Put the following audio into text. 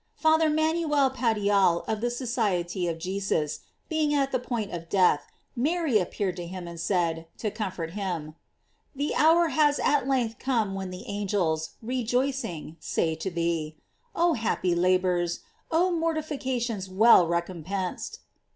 § Father Manuel Padial, of the Society of Jesus, being at the point of death, Mary appeared to him, and said, to com fort him: "The hour has at length come when the angels, rejoicing, say to thee, Oh happy la bors! oh mortifications well recompensed!"